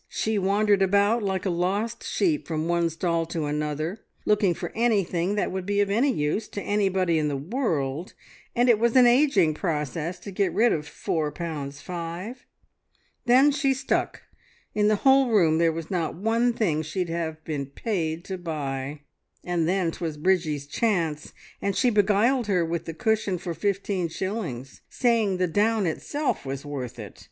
She wandered about like a lost sheep from one stall to another, looking for anything that would be of any use to anybody in the world, and it was an ageing process to get rid of four pounds five. Then she stuck. In the whole room there was not one thing she'd have been paid to buy. "And then 'twas Bridgie's chance, and she beguiled her with the cushion for fifteen shillings, saying the down itself was worth it.